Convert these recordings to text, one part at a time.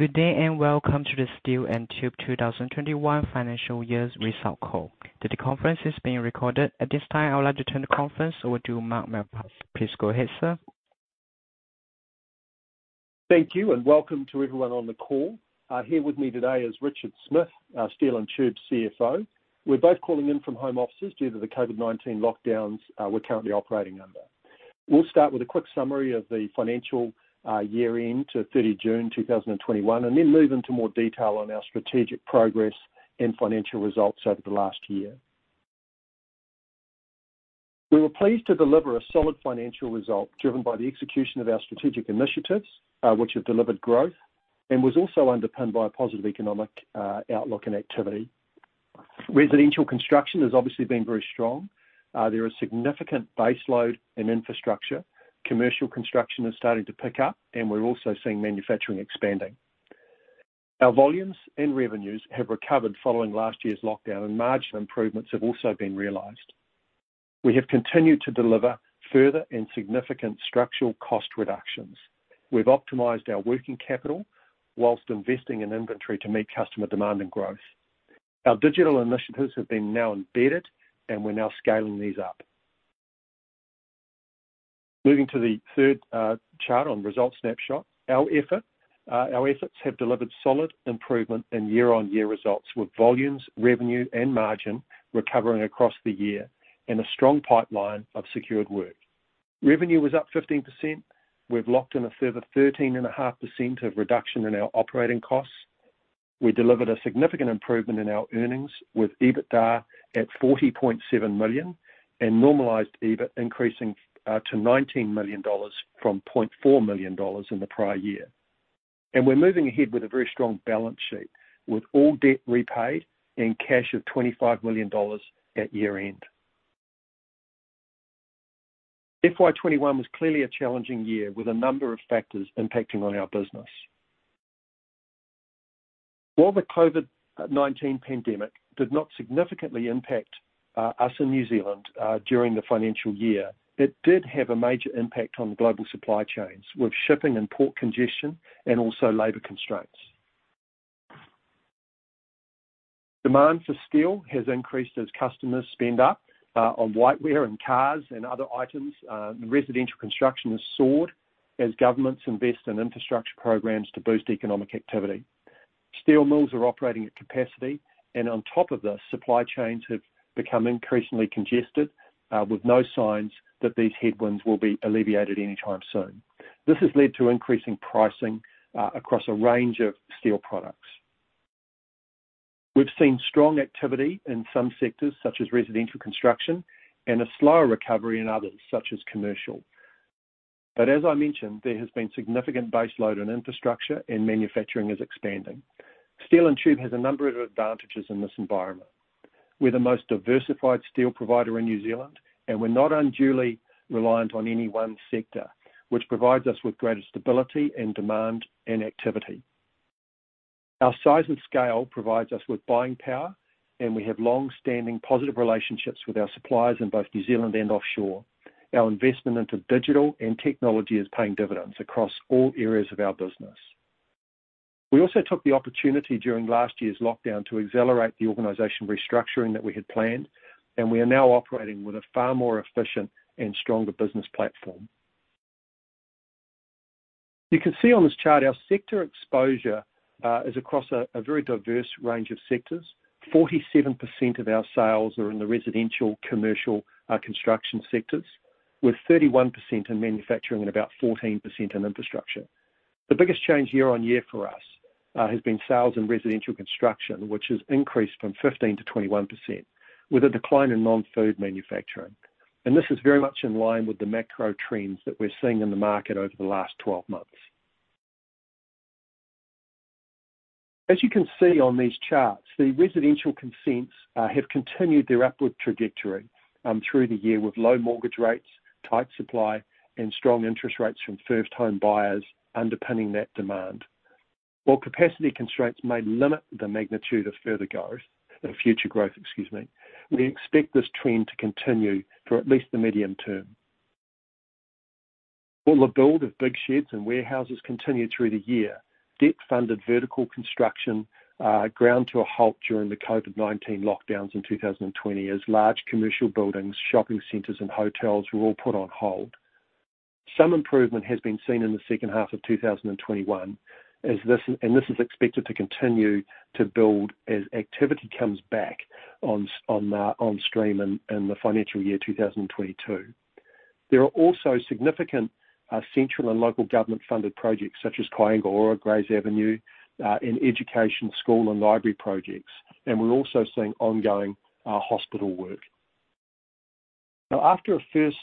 Good day, and welcome to the Steel & Tube 2021 financial year's result call. Today's conference is being recorded. At this time, I would like to turn the conference over to Mark Malpass. Please go ahead, sir. Thank you, and welcome to everyone on the call. Here with me today is Richard Smyth, Steel & Tube CFO. We're both calling in from home offices due to the COVID-19 lockdowns we're currently operating under. We'll start with a quick summary of the financial year-end to June 30th, 2021, and then move into more detail on our strategic progress and financial results over the last year. We were pleased to deliver a solid financial result driven by the execution of our strategic initiatives, which have delivered growth, and was also underpinned by a positive economic outlook and activity. Residential construction has obviously been very strong. There is significant baseload in infrastructure. Commercial construction is starting to pick up, and we're also seeing manufacturing expanding. Our volumes and revenues have recovered following last year's lockdown, and margin improvements have also been realized. We have continued to deliver further and significant structural cost reductions. We've optimized our working capital while investing in inventory to meet customer demand and growth. Our digital initiatives have been now embedded, we're now scaling these up. Moving to the third chart on results snapshot. Our efforts have delivered solid improvement in year-on-year results, with volumes, revenue, and margin recovering across the year, a strong pipeline of secured work. Revenue was up 15%. We've locked in a further 13.5% of reduction in our operating costs. We delivered a significant improvement in our earnings, with EBITDA at 40.7 million and normalized EBIT increasing to 19 million dollars from 0.4 million dollars in the prior year. We're moving ahead with a very strong balance sheet, with all debt repaid and cash of 25 million dollars at year-end. FY 2021 was clearly a challenging year with a number of factors impacting on our business. While the COVID-19 pandemic did not significantly impact us in New Zealand during the financial year, it did have a major impact on the global supply chains, with shipping and port congestion and also labor constraints. Demand for steel has increased as customers spend up on whiteware and cars and other items. Residential construction has soared as governments invest in infrastructure programs to boost economic activity. Steel mills are operating at capacity, and on top of this, supply chains have become increasingly congested, with no signs that these headwinds will be alleviated anytime soon. This has led to increasing pricing across a range of steel products. We've seen strong activity in some sectors, such as residential construction, and a slower recovery in others, such as commercial. As I mentioned, there has been significant baseload in infrastructure and manufacturing is expanding. Steel & Tube has a number of advantages in this environment. We're the most diversified steel provider in New Zealand, and we're not unduly reliant on any one sector, which provides us with greater stability in demand and activity. Our size and scale provides us with buying power, and we have long-standing positive relationships with our suppliers in both New Zealand and offshore. Our investment into digital and technology is paying dividends across all areas of our business. We also took the opportunity during last year's lockdown to accelerate the organization restructuring that we had planned, and we are now operating with a far more efficient and stronger business platform. You can see on this chart our sector exposure is across a very diverse range of sectors. 47% of our sales are in the residential/commercial construction sectors, with 31% in manufacturing and about 14% in infrastructure. The biggest change year-on-year for us has been sales in residential construction, which has increased from 15%-21%, with a decline in non-food manufacturing. This is very much in line with the macro trends that we're seeing in the market over the last 12 months. As you can see on these charts, the residential consents have continued their upward trajectory through the year, with low mortgage rates, tight supply, and strong interest rates from first-home buyers underpinning that demand. While capacity constraints may limit the magnitude of future growth, we expect this trend to continue for at least the medium term. While the build of big sheds and warehouses continued through the year, debt-funded vertical construction ground to a halt during the COVID-19 lockdowns in 2020 as large commercial buildings, shopping centers, and hotels were all put on hold. Some improvement has been seen in the second half of 2021, and this is expected to continue to build as activity comes back on stream in the financial year 2022. There are also significant central and local government-funded projects such as Kāinga Ora, Greys Avenue, and education, school, and library projects. We're also seeing ongoing hospital work. Now, after a first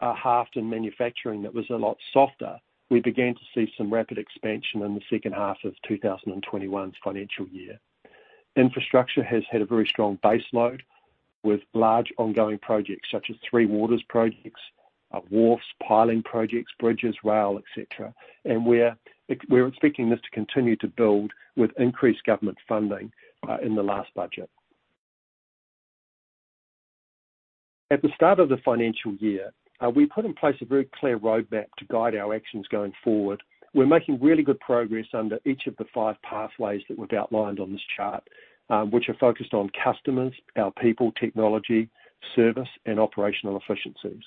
half in manufacturing that was a lot softer, we began to see some rapid expansion in the second half of 2021's financial year. Infrastructure has had a very strong baseload with large ongoing projects such as Three Waters projects, wharves, piling projects, bridges, rail, et cetera. We're expecting this to continue to build with increased government funding in the last budget. At the start of the financial year, we put in place a very clear roadmap to guide our actions going forward. We're making really good progress under each of the five pathways that we've outlined on this chart, which are focused on customers, our people, technology, service, and operational efficiencies.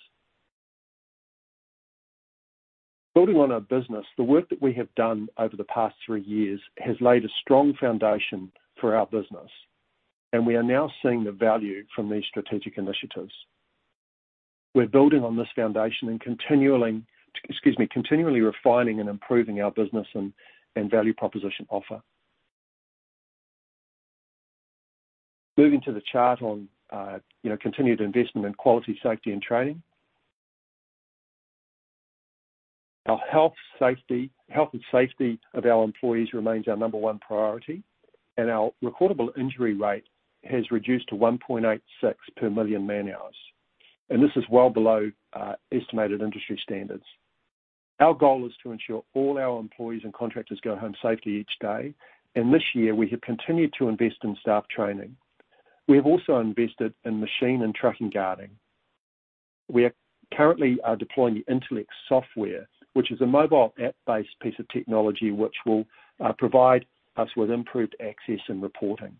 Building on our business, the work that we have done over the past three years has laid a strong foundation for our business, and we are now seeing the value from these strategic initiatives. We're building on this foundation and continually refining and improving our business and value proposition offer. Moving to the chart on continued investment in quality, safety, and training. Our health and safety of our employees remains our number one priority, and our recordable injury rate has reduced to 1.86 per million man-hours, and this is well below estimated industry standards. Our goal is to ensure all our employees and contractors go home safely each day, and this year we have continued to invest in staff training. We have also invested in machine and trucking guarding. We currently are deploying the IntelliBuild software, which is a mobile app-based piece of technology which will provide us with improved access and reporting.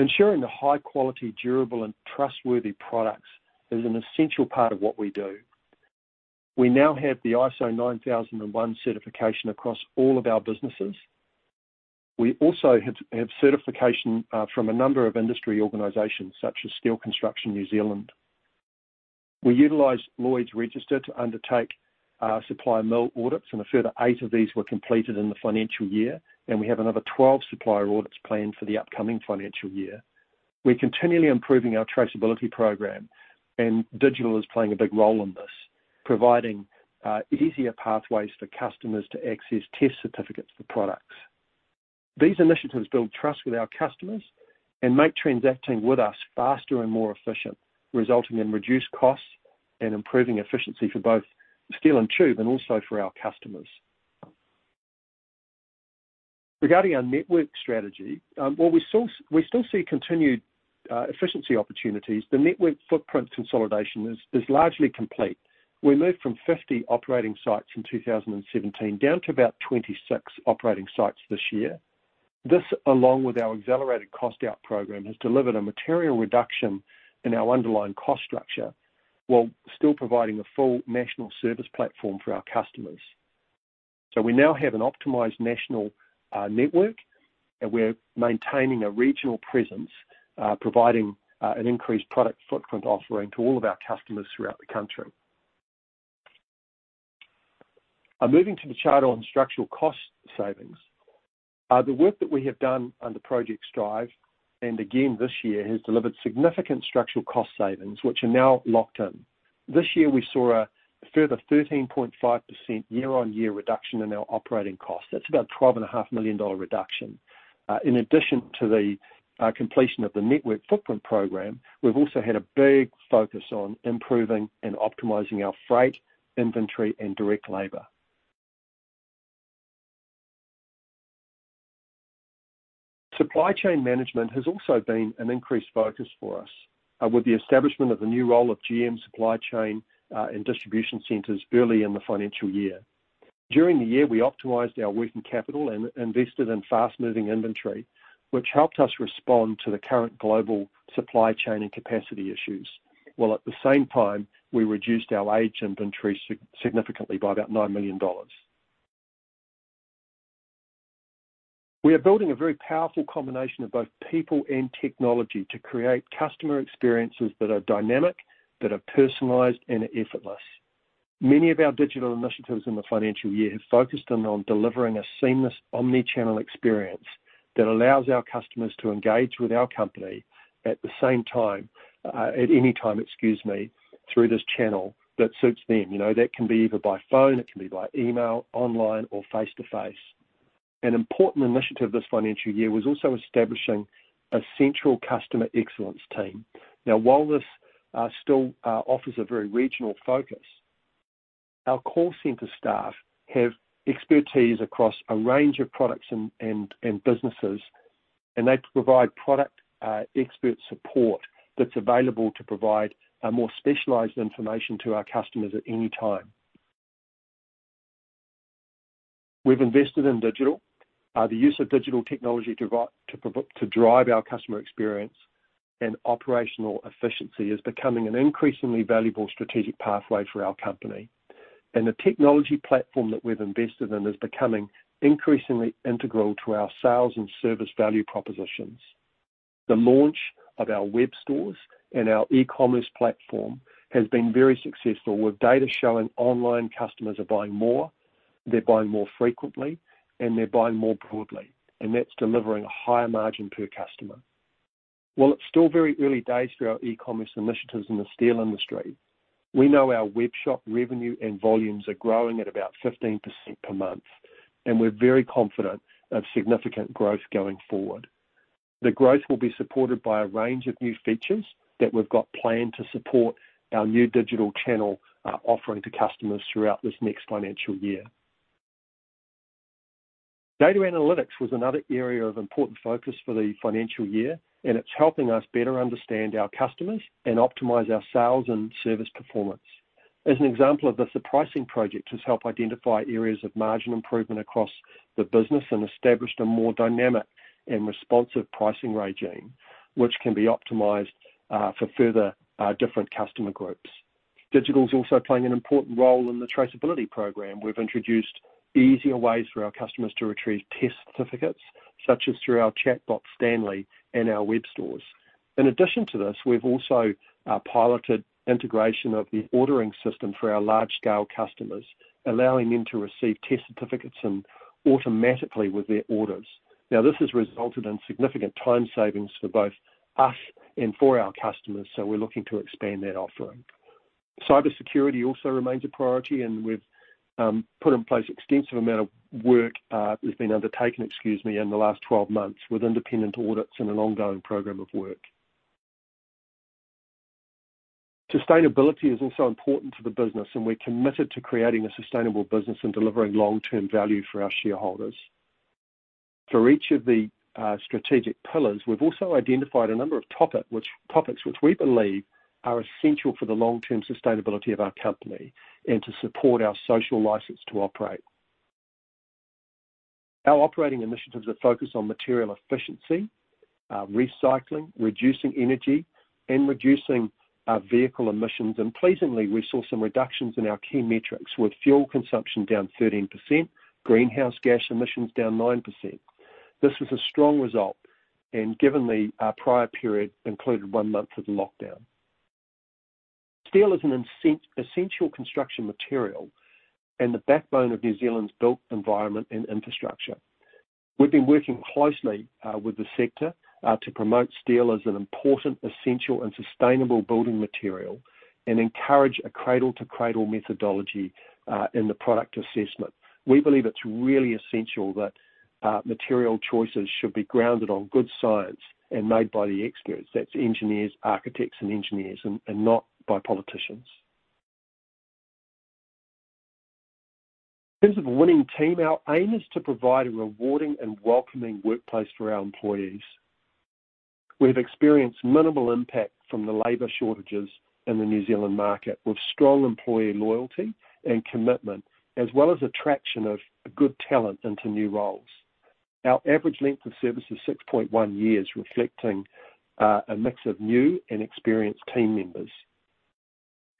Ensuring high-quality, durable, and trustworthy products is an essential part of what we do. We now have the ISO 9001 certification across all of our businesses. We also have certification from a number of industry organizations, such as Steel Construction New Zealand. We utilized Lloyd's Register to undertake supplier mill audits, and a further eight of these were completed in the financial year, and we have another 12 supplier audits planned for the upcoming financial year. We're continually improving our traceability program, and digital is playing a big role in this, providing easier pathways for customers to access test certificates for products. These initiatives build trust with our customers and make transacting with us faster and more efficient, resulting in reduced costs and improving efficiency for both Steel & Tube and also for our customers. Regarding our network strategy, while we still see continued efficiency opportunities, the network footprint consolidation is largely complete. We moved from 50 operating sites in 2017 down to about 26 operating sites this year. This, along with our accelerated cost-out program, has delivered a material reduction in our underlying cost structure while still providing a full national service platform for our customers. We now have an optimized national network, and we're maintaining a regional presence, providing an increased product footprint offering to all of our customers throughout the country. Moving to the chart on structural cost savings. The work that we have done under Project Strive, and again this year, has delivered significant structural cost savings, which are now locked in. This year, we saw a further 13.5% year-on-year reduction in our operating costs. That's about 12.5 million dollar reduction. In addition to the completion of the network footprint program, we've also had a big focus on improving and optimizing our freight, inventory, and direct labor. Supply chain management has also been an increased focus for us, with the establishment of the new role of GM supply chain and distribution centers early in the financial year. During the year, we optimized our working capital and invested in fast-moving inventory, which helped us respond to the current global supply chain and capacity issues, while at the same time, we reduced our aged inventory significantly by about NZD 9 million. We are building a very powerful combination of both people and technology to create customer experiences that are dynamic, that are personalized, and are effortless. Many of our digital initiatives in the financial year have focused in on delivering a seamless omnichannel experience that allows our customers to engage with our company at any time through this channel that suits them. That can be either by phone, it can be by email, online, or face-to-face. An important initiative this financial year was also establishing a central customer excellence team. While this still offers a very regional focus, our call center staff have expertise across a range of products and businesses, and they provide product expert support that's available to provide more specialized information to our customers at any time. We've invested in digital. The use of digital technology to drive our customer experience and operational efficiency is becoming an increasingly valuable strategic pathway for our company, and the technology platform that we've invested in is becoming increasingly integral to our sales and service value propositions. The launch of our web stores and our e-commerce platform has been very successful, with data showing online customers are buying more, they're buying more frequently, and they're buying more broadly, and that's delivering a higher margin per customer. While it's still very early days for our e-commerce initiatives in the steel industry, we know our webshop revenue and volumes are growing at about 15% per month, and we're very confident of significant growth going forward. The growth will be supported by a range of new features that we've got planned to support our new digital channel offering to customers throughout this next financial year. Data analytics was another area of important focus for the financial year, and it's helping us better understand our customers and optimize our sales and service performance. As an example of this, the pricing project has helped identify areas of margin improvement across the business and established a more dynamic and responsive pricing regime, which can be optimized for further different customer groups. Digital is also playing an important role in the traceability program. We've introduced easier ways for our customers to retrieve test certificates, such as through our chatbot, Stanley, and our web stores. In addition to this, we've also piloted integration of the ordering system for our large-scale customers, allowing them to receive test certificates automatically with their orders. Now, this has resulted in significant time savings for both us and for our customers, so we're looking to expand that offering. Cybersecurity also remains a priority, and we've put in place extensive amount of work that has been undertaken, excuse me, in the last 12 months with independent audits and an ongoing program of work. Sustainability is also important to the business, and we're committed to creating a sustainable business and delivering long-term value for our shareholders. For each of the strategic pillars, we've also identified a number of topics which we believe are essential for the long-term sustainability of our company and to support our social license to operate. Our operating initiatives are focused on material efficiency, recycling, reducing energy, and reducing vehicle emissions. Pleasingly, we saw some reductions in our key metrics, with fuel consumption down 13%, greenhouse gas emissions down 9%. This is a strong result given the prior period included one month of lockdown. Steel is an essential construction material and the backbone of New Zealand's built environment and infrastructure. We've been working closely with the sector to promote steel as an important, essential, and sustainable building material and encourage a cradle-to-cradle methodology in the product assessment. We believe it's really essential that material choices should be grounded on good science and made by the experts. That's engineers, architects, and engineers, not by politicians. In terms of a winning team, our aim is to provide a rewarding and welcoming workplace for our employees. We've experienced minimal impact from the labor shortages in the New Zealand market, with strong employee loyalty and commitment, as well as attraction of good talent into new roles. Our average length of service is 6.1 years, reflecting a mix of new and experienced team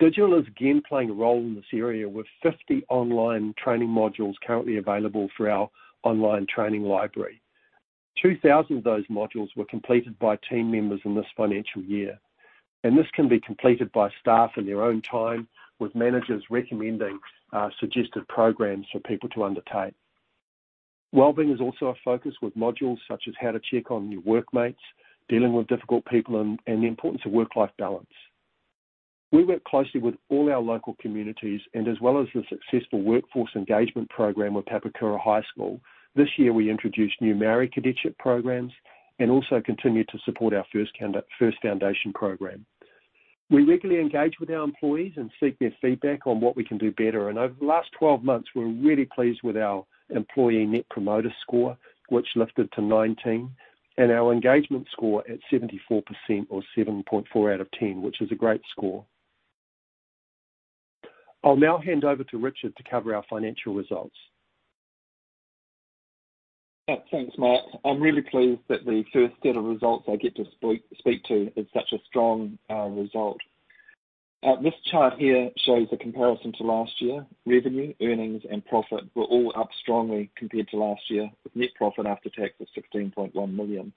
members. Digital is again playing a role in this area, with 50 online training modules currently available through our online training library. 2,000 of those modules were completed by team members in this financial year. This can be completed by staff in their own time, with managers recommending suggested programs for people to undertake. Wellbeing is also a focus, with modules such as how to check on your workmates, dealing with difficult people, and the importance of work-life balance. We work closely with all our local communities, and as well as the successful workforce engagement program with Papakura High School, this year, we introduced new Māori cadetship programs and also continued to support our First Foundation program. We regularly engage with our employees and seek their feedback on what we can do better. Over the last 12 months, we're really pleased with our employee Net Promoter Score, which lifted to 19%, and our engagement score at 74% or 7.4 out of 10, which is a great score. I'll now hand over to Richard to cover our financial results. Thanks, Mike. I'm really pleased that the first set of results I get to speak to is such a strong result. This chart here shows the comparison to last year. Revenue, earnings, and profit were all up strongly compared to last year, with net profit after tax of 16.1 million.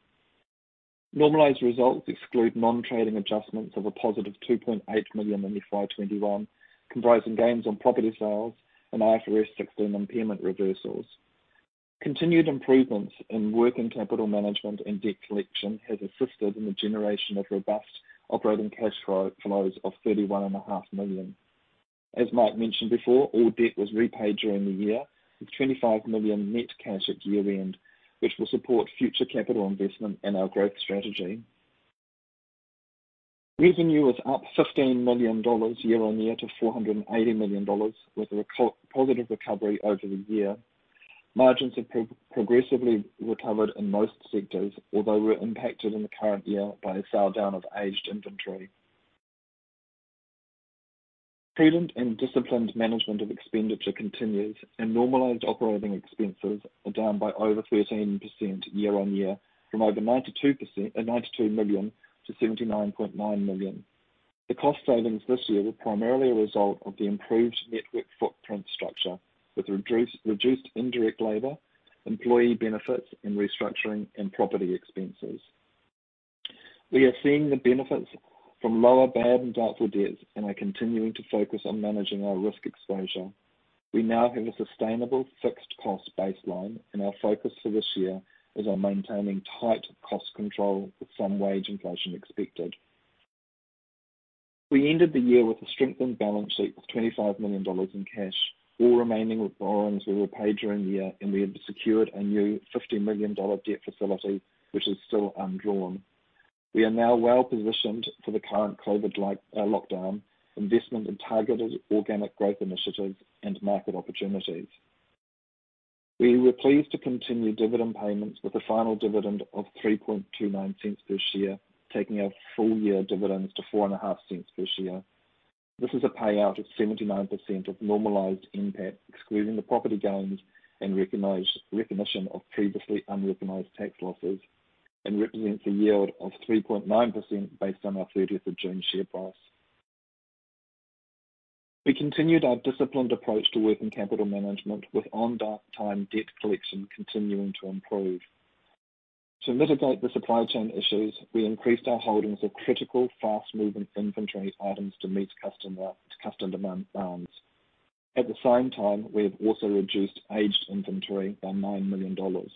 Normalized results exclude non-trading adjustments of a positive 2.8 million in FY 2021, comprising gains on property sales and IFRS 16 impairment reversals. Continued improvements in working capital management and debt collection has assisted in the generation of robust operating cash flows of 31.5 million. As Mike mentioned before, all debt was repaid during the year, with 25 million net cash at year-end, which will support future capital investment and our growth strategy. Revenue was up 15 million dollars year-on-year to 480 million dollars, with a positive recovery over the year. Margins have progressively recovered in most sectors, although were impacted in the current year by a sell-down of aged inventory. Prudent and disciplined management of expenditure continues, and normalized operating expenses are down by over 13% year-on-year from over 92 million-79.9 million. The cost savings this year were primarily a result of the improved network footprint structure, with reduced indirect labor, employee benefits, and restructuring and property expenses. We are seeing the benefits from lower bad and doubtful debts and are continuing to focus on managing our risk exposure. We now have a sustainable fixed cost baseline, and our focus for this year is on maintaining tight cost control with some wage inflation expected. We ended the year with a strengthened balance sheet with 25 million dollars in cash. All remaining borrowings were repaid during the year. We have secured a new 50 million dollar debt facility, which is still undrawn. We are now well positioned for the current COVID-19 lockdown, investment in targeted organic growth initiatives, and market opportunities. We were pleased to continue dividend payments with a final dividend of 0.0329 per share, taking our full year dividends to 0.045 per share. This is a payout of 79% of normalized NPAT, excluding the property gains and recognition of previously unrecognized tax losses, and represents a yield of 3.9% based on our June 30th share price. We continued our disciplined approach to working capital management with on-time debt collection continuing to improve. To mitigate the supply chain issues, we increased our holdings of critical fast-moving inventory items to meet customer demands. At the same time, we have also reduced aged inventory by 9 million dollars.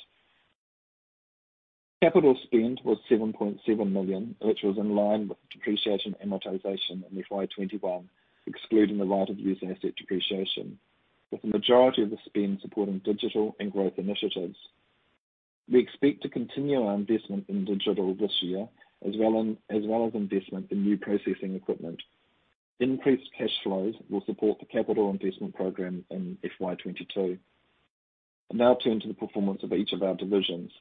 Capital spend was 7.7 million, which was in line with depreciation amortization in FY 2021, excluding the right of use asset depreciation, with the majority of the spend supporting digital and growth initiatives. We expect to continue our investment in digital this year, as well as investment in new processing equipment. Increased cash flows will support the capital investment program in FY 2022. I'll now turn to the performance of each of our divisions.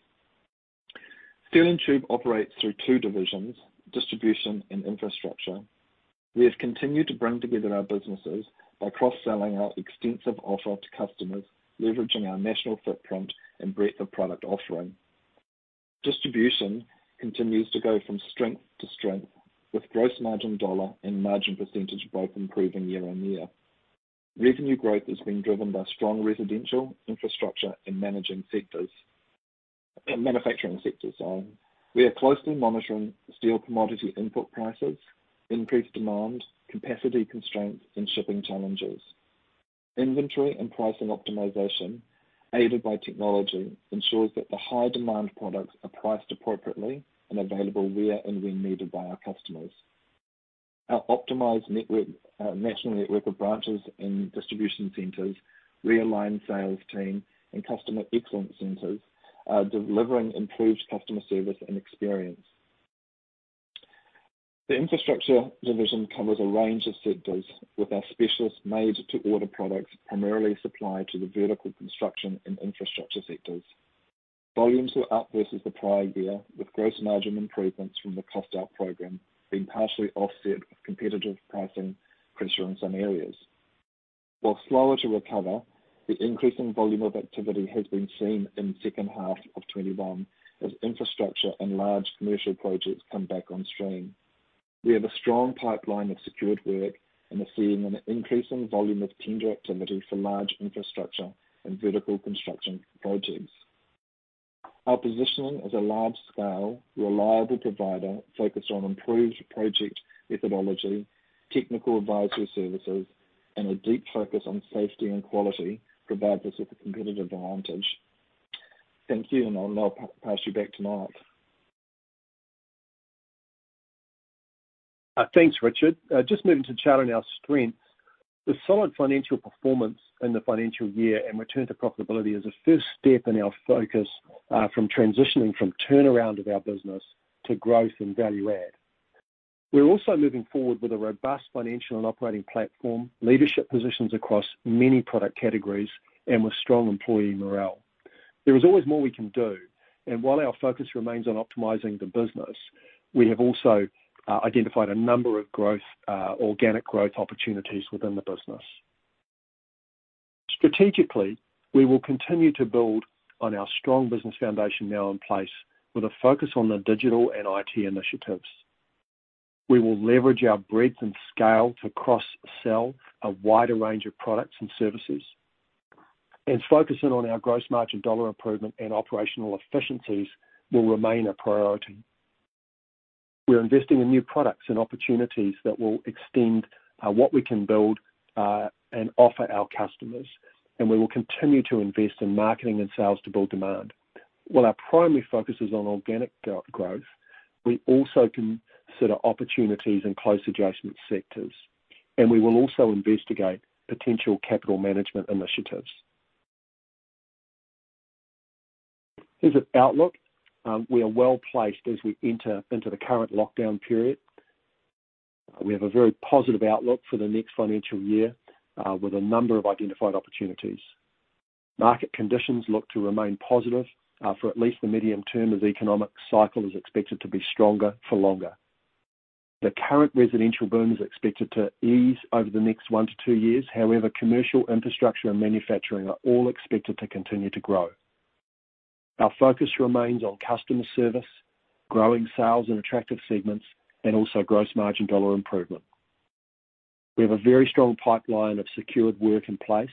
Steel & Tube operates through two divisions, distribution and infrastructure. We have continued to bring together our businesses by cross-selling our extensive offer to customers, leveraging our national footprint and breadth of product offering. Distribution continues to go from strength to strength with gross margin dollar and margin percentage both improving year-over-year. Revenue growth is being driven by strong residential, infrastructure, and manufacturing sectors. We are closely monitoring steel commodity input prices, increased demand, capacity constraints, and shipping challenges. Inventory and pricing optimization, aided by technology, ensures that the high-demand products are priced appropriately and available where and when needed by our customers. Our optimized network, national network of branches and distribution centers, realigned sales team, and customer excellence centers are delivering improved customer service and experience. The infrastructure division covers a range of sectors with our specialist made-to-order products primarily supplied to the vertical construction and infrastructure sectors. Volumes were up versus the prior year, with gross margin improvements from the cost-out program being partially offset with competitive pricing pressure in some areas. While slower to recover, the increase in volume of activity has been seen in the second half of 2021 as infrastructure and large commercial projects come back on stream. We have a strong pipeline of secured work and are seeing an increase in volume of tender activity for large infrastructure and vertical construction projects. Our positioning as a large-scale, reliable provider focused on improved project methodology, technical advisory services, and a deep focus on safety and quality provides us with a competitive advantage. Thank you, and I'll now pass you back to Mark. Thanks, Richard. Just moving to charting our strengths. The solid financial performance in the financial year and return to profitability is the first step in our focus from transitioning from turnaround of our business to growth and value add. We are also moving forward with a robust financial and operating platform, leadership positions across many product categories, and with strong employee morale. There is always more we can do, and while our focus remains on optimizing the business, we have also identified a number of organic growth opportunities within the business. Strategically, we will continue to build on our strong business foundation now in place with a focus on the digital and IT initiatives. We will leverage our breadth and scale to cross-sell a wider range of products and services, and focusing on our gross margin dollar improvement and operational efficiencies will remain a priority. We are investing in new products and opportunities that will extend what we can build and offer our customers, and we will continue to invest in marketing and sales to build demand. While our primary focus is on organic growth, we also consider opportunities in close adjacent sectors, and we will also investigate potential capital management initiatives. Here's our outlook. We are well-placed as we enter into the current lockdown period. We have a very positive outlook for the next financial year, with a number of identified opportunities. Market conditions look to remain positive for at least the medium term as economic cycle is expected to be stronger for longer. The current residential boom is expected to ease over the next one to two years. However, commercial infrastructure and manufacturing are all expected to continue to grow. Our focus remains on customer service, growing sales in attractive segments, and also gross margin dollar improvement. We have a very strong pipeline of secured work in place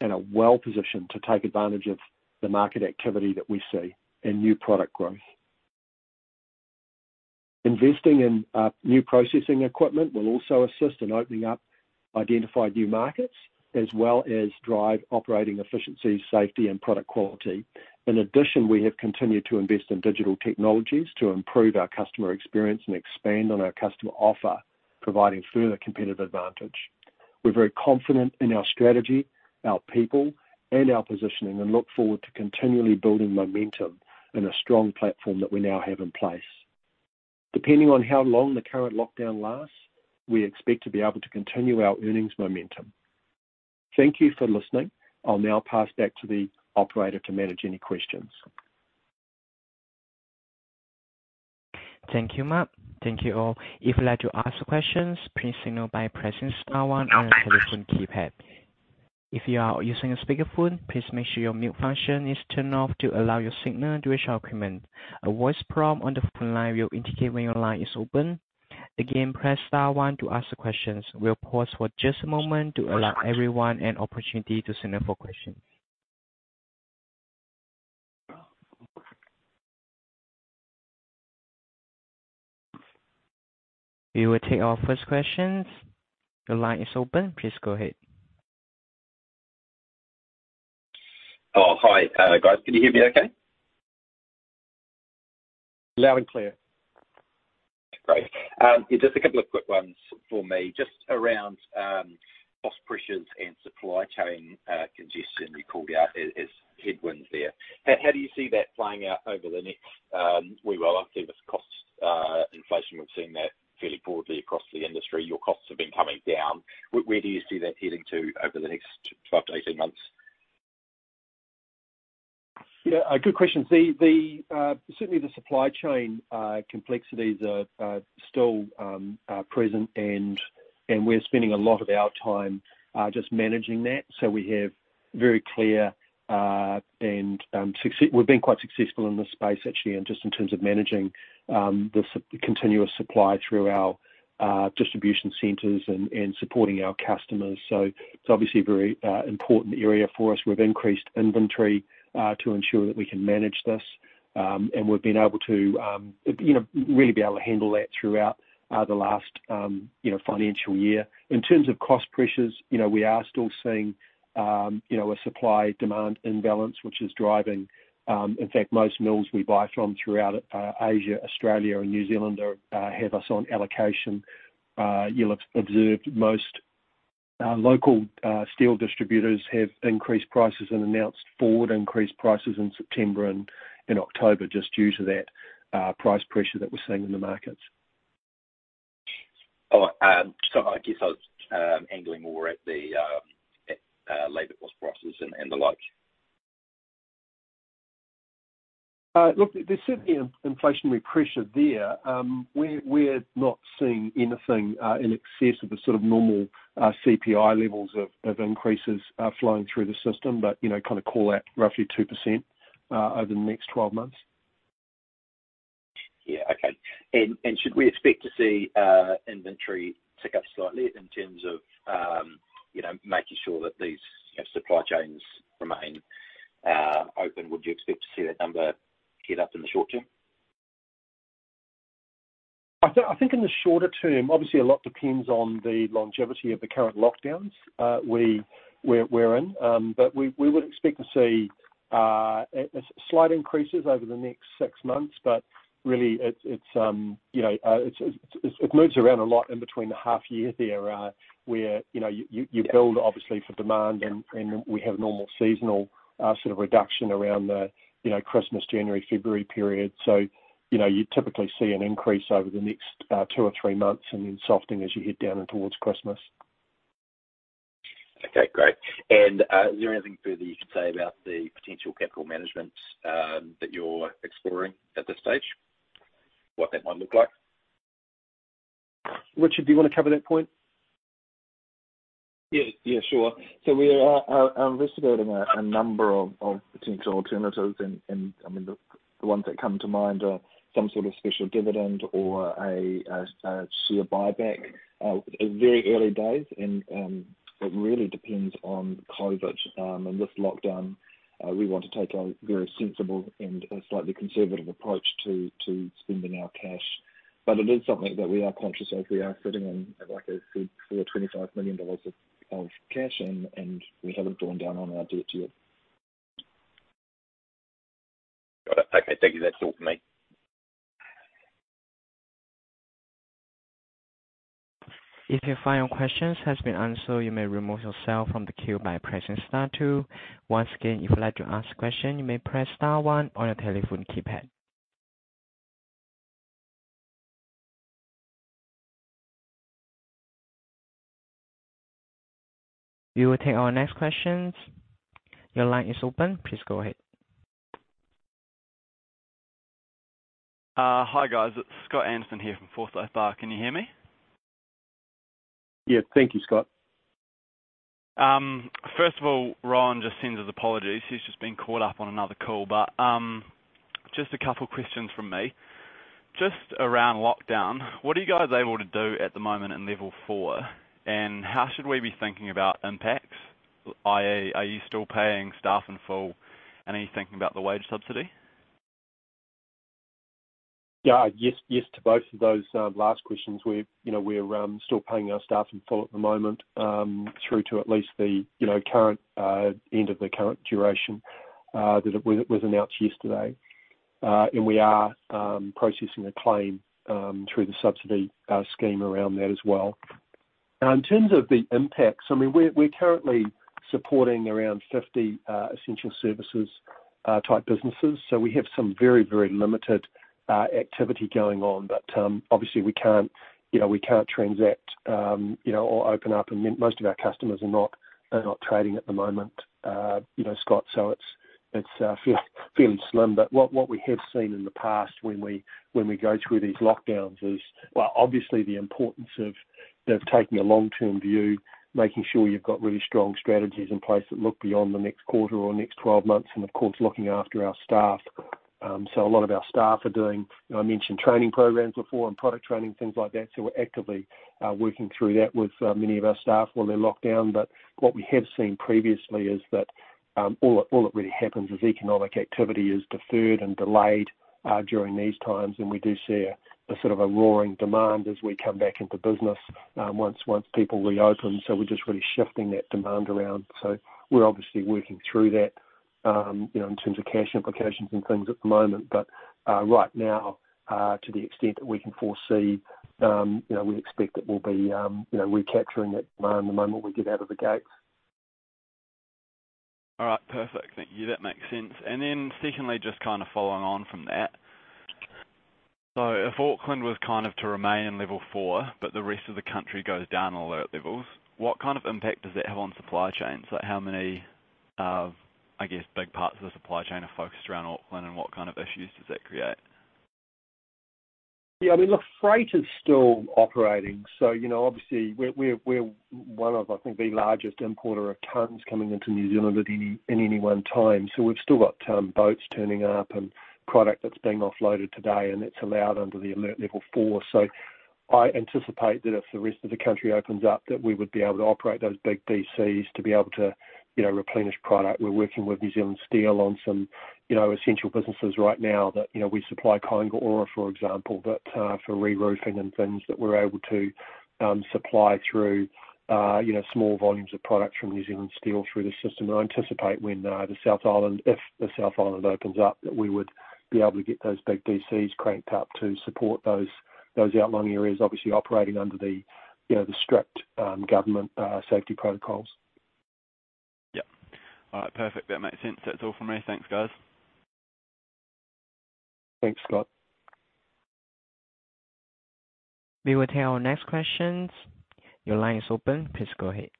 and are well-positioned to take advantage of the market activity that we see and new product growth. Investing in new processing equipment will also assist in opening up identified new markets as well as drive operating efficiency, safety, and product quality. In addition, we have continued to invest in digital technologies to improve our customer experience and expand on our customer offer, providing further competitive advantage. We're very confident in our strategy, our people, and our positioning, and look forward to continually building momentum in a strong platform that we now have in place. Depending on how long the current lockdown lasts, we expect to be able to continue our earnings momentum. Thank you for listening. I'll now pass back to the operator to manage any questions. Thank you, Mark. Thank you all. If you'd like to ask questions, please signal by pressing star one on your telephone keypad. If you are using a speakerphone, please make sure your mute function is turned off to allow your signal to reach our equipment. A voice prompt on the phone line will indicate when your line is open. Again, press star one to ask the questions. We'll pause for just a moment to allow everyone an opportunity to signal for questions. We will take our first questions. Your line is open. Please go ahead. Oh, hi. Guys, can you hear me okay? Loud and clear. Great. Just a couple of quick ones for me, just around cost pressures and supply chain congestion you called out as headwinds there. How do you see that playing out over the next week? Obviously, with cost inflation, we've seen that fairly broadly across the industry. Your costs have been coming down. Where do you see that heading to over the next 12-18 months? A good question. Certainly, the supply chain complexities are still present, and we're spending a lot of our time just managing that. We have very clear and we've been quite successful in this space, actually, and just in terms of managing the continuous supply through our distribution centers and supporting our customers. It's obviously a very important area for us. We've increased inventory to ensure that we can manage this, and we've been able to really handle that throughout the last financial year. In terms of cost pressures, we are still seeing a supply-demand imbalance, which is driving, in fact, most mills we buy from throughout Asia, Australia, and New Zealand have us on allocation. You'll have observed most local steel distributors have increased prices and announced forward increased prices in September and in October just due to that price pressure that we're seeing in the markets. All right. I guess I was angling more at the labor cost prices and the like. Look, there's certainly inflationary pressure there. We're not seeing anything in excess of the normal CPI levels of increases flowing through the system, but kind of call that roughly 2% over the next 12 months. Yeah, okay. Should we expect to see inventory tick up slightly in terms of making sure that these supply chains remain open? Would you expect to see that number get up in the short term? I think in the shorter term, obviously a lot depends on the longevity of the current lockdowns we're in. We would expect to see slight increases over the next six months, but really, it moves around a lot in between the half year there, where you build obviously for demand and we have a normal seasonal sort of reduction around the Christmas, January, February period. You typically see an increase over the next two or three months and then softening as you head down in towards Christmas. Okay, great. Is there anything further you can say about the potential capital management that you're exploring at this stage, what that might look like? Richard, do you want to cover that point? Yeah, sure. We are investigating a number of potential alternatives, and the ones that come to mind are some sort of special dividend or a share buyback. It's very early days, and it really depends on COVID-19 and this lockdown. We want to take a very sensible and a slightly conservative approach to spending our cash. It is something that we are conscious of. We are sitting on, like I said, 425 million dollars of cash, and we haven't drawn down on our debt yet. Got it. Okay. Thank you. That's all from me. If your final questions has been answered, you may remove yourself from the queue by pressing star two. Once again, if you'd like to ask a question, you may press star one on your telephone keypad. We will take our next questions. Your line is open. Please go ahead. Hi, guys. It's Scott Anderson here from Forsyth Barr. Can you hear me? Yeah. Thank you, Scott. Ryan just sends his apologies. He's just been caught up on another call. Just a couple of questions from me. Just around lockdown, what are you guys able to do at the moment in level four? How should we be thinking about impacts, i.e., are you still paying staff in full? Are you thinking about the wage subsidy? Yeah. Yes to both of those last questions. We're still paying our staff in full at the moment, through to at least the end of the current duration that was announced yesterday. We are processing a claim through the subsidy scheme around that as well. Now, in terms of the impacts, we're currently supporting around 50 essential services type businesses. We have some very limited activity going on. Obviously we can't transact or open up. Most of our customers are not trading at the moment, Scott, so it's feeling slim. What we have seen in the past when we go through these lockdowns is, well, obviously the importance of taking a long-term view, making sure you've got really strong strategies in place that look beyond the next quarter or next 12 months, and of course, looking after our staff. A lot of our staff are doing, I mentioned training programs before and product training, things like that. We're actively working through that with many of our staff while they're locked down. What we have seen previously is that all that really happens is economic activity is deferred and delayed during these times, and we do see a sort of a roaring demand as we come back into business once people reopen. We're just really shifting that demand around. We're obviously working through that in terms of cash implications and things at the moment. Right now, to the extent that we can foresee, we expect that we'll be recapturing that demand the moment we get out of the gates. All right. Perfect. Thank you. That makes sense. Then secondly, just following on from that. If Auckland was to remain in level four, but the rest of the country goes down alert levels, what kind of impact does that have on supply chains? How many, I guess, big parts of the supply chain are focused around Auckland, and what kind of issues does that create? Look, freight is still operating. Obviously, we're one of, I think, the largest importer of tons coming into New Zealand at any one time. We've still got boats turning up and product that's being offloaded today, and that's allowed under the alert level four. I anticipate that if the rest of the country opens up, that we would be able to operate those big DCs to be able to replenish product. We're working with New Zealand Steel on some essential businesses right now that we supply Kāinga Ora, for example, but for reroofing and things that we're able to supply through small volumes of product from New Zealand Steel through the system. I anticipate when the South Island, if the South Island opens up, that we would be able to get those big DCs cranked up to support those outlying areas, obviously operating under the strict government safety protocols. Yep. All right. Perfect. That makes sense. That's all from me. Thanks, guys. Thanks, Scott. We will take our next questions. Your line is open. Please go ahead.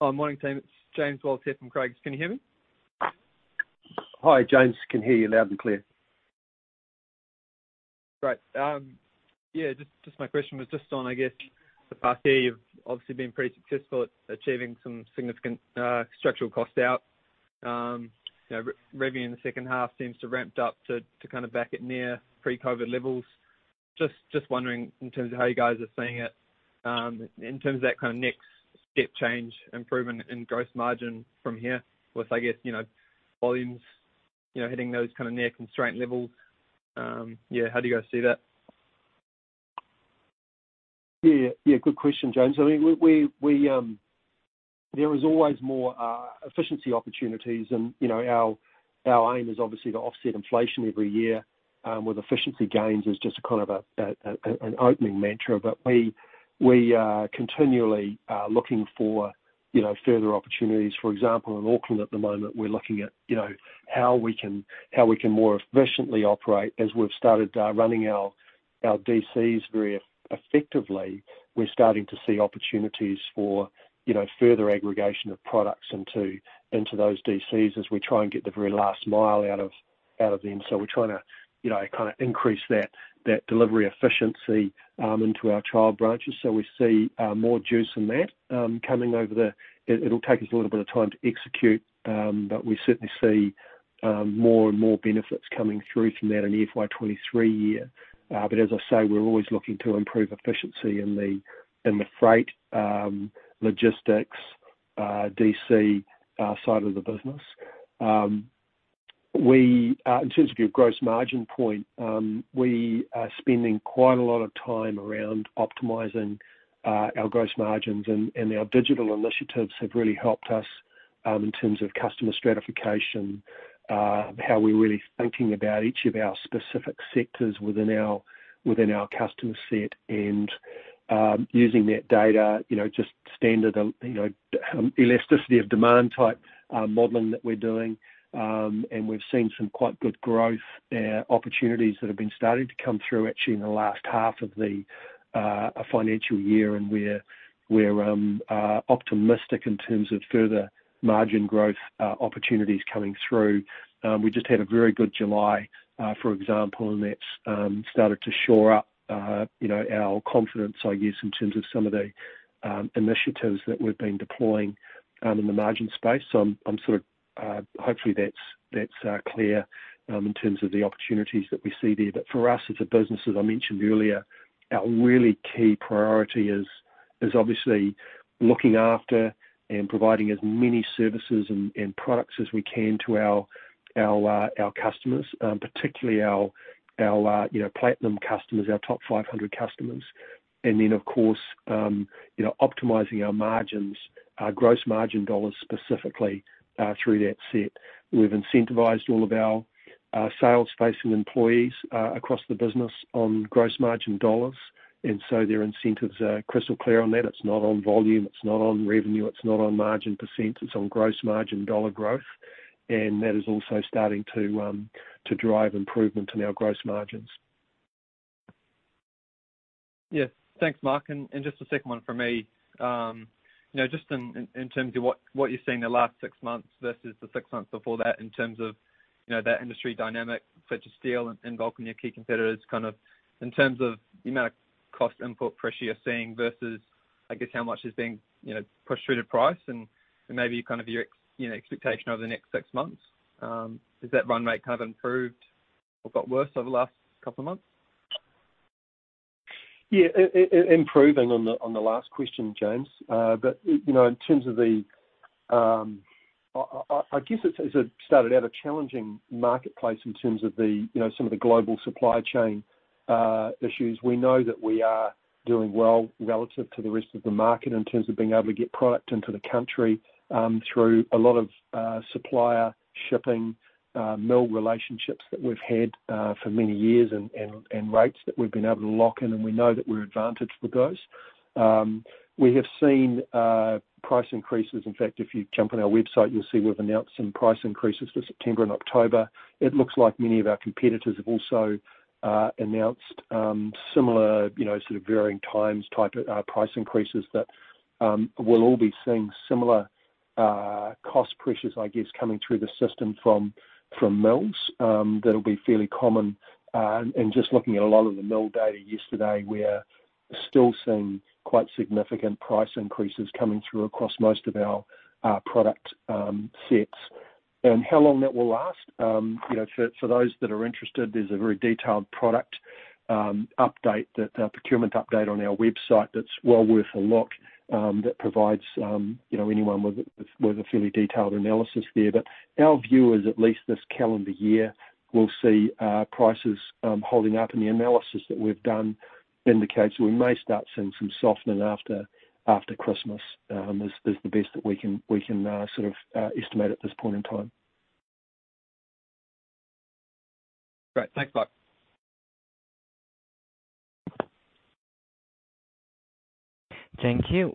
Oh, morning team. It's James here from Craigs. Can you hear me? Hi, James. I can hear you loud and clear. Great. Yeah, just my question was just on, I guess, the past year, you've obviously been pretty successful at achieving some significant structural cost out. Revenue in the second half seems to ramped up to back at near pre-COVID levels. Just wondering in terms of how you guys are seeing it, in terms of that next step change improvement in gross margin from here with, I guess, volumes hitting those near constraint levels. Yeah, how do you guys see that? Yeah, good question, James. There is always more efficiency opportunities and our aim is obviously to offset inflation every year, with efficiency gains as just an opening mantra. We are continually looking for further opportunities. For example, in Auckland at the moment, we're looking at how we can more efficiently operate as we've started running our DCs very effectively. We're starting to see opportunities for further aggregation of products into those DCs as we try and get the very last mile out of them. We're trying to increase that delivery efficiency into our trial branches. We see more juice in that. It'll take us a little bit of time to execute, but we certainly see more and more benefits coming through from that in FY 2023 year. As I say, we're always looking to improve efficiency in the freight, logistics, DC side of the business. In terms of your gross margin point, we are spending quite a lot of time around optimizing our gross margins, and our digital initiatives have really helped us in terms of customer stratification, how we're really thinking about each of our specific sectors within our customer set and using that data, just standard elasticity of demand type modeling that we're doing. We've seen some quite good growth opportunities that have been starting to come through actually in the last half of the financial year, and we're optimistic in terms of further margin growth opportunities coming through. We just had a very good July, for example, and that's started to shore up our confidence, I guess, in terms of some of the initiatives that we've been deploying in the margin space. Hopefully that's clear in terms of the opportunities that we see there. For us as a business, as I mentioned earlier, our really key priority is obviously looking after and providing as many services and products as we can to our customers, particularly our platinum customers, our top 500 customers. Then, of course, optimizing our margins, our gross margin dollars specifically through that set. We've incentivized all of our sales-facing employees across the business on gross margin dollars. Their incentives are crystal clear on that. It's not on volume, it's not on revenue, it's not on margin percents, it's on gross margin dollar growth. That is also starting to drive improvement in our gross margins. Yes. Thanks, Mark. Just a second one from me. Just in terms of what you're seeing the last six months versus the six months before that in terms of that industry dynamic such as steel involving your key competitors, in terms of the amount of cost input pressure you're seeing versus, I guess, how much is being pushed through to price and maybe your expectation over the next six months. Has that run rate improved or got worse over the last couple of months? Yeah. Improving on the last question, James. I guess it started out a challenging marketplace in terms of some of the global supply chain issues. We know that we are doing well relative to the rest of the market in terms of being able to get product into the country through a lot of supplier shipping mill relationships that we've had for many years and rates that we've been able to lock in, and we know that we're advantaged with those. We have seen price increases. In fact, if you jump on our website, you'll see we've announced some price increases for September and October. It looks like many of our competitors have also announced similar sort of varying times type of price increases that we'll all be seeing similar cost pressures, I guess, coming through the system from mills. That'll be fairly common. Just looking at a lot of the mill data yesterday, we are still seeing quite significant price increases coming through across most of our product sets. How long that will last? For those that are interested, there is a very detailed product update, that procurement update on our website that is well worth a look, that provides anyone with a fairly detailed analysis there. Our view is, at least this calendar year, we will see prices holding up, and the analysis that we have done indicates we may start seeing some softening after Christmas. This is the best that we can sort of estimate at this point in time. Great. Thanks, Mark. Thank you.